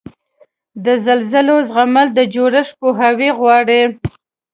د زلزلو زغمل د جوړښت پوهاوی غواړي.